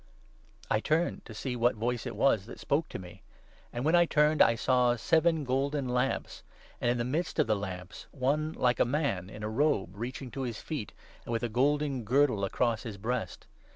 I turned to see what voice it was that 12 spoke to me ; and when I turned, I saw seven golden lamps, and in the midst of the lamps one ' like a man, in a robe 13 reaching to his feet,' and with a golden girdle across his breast.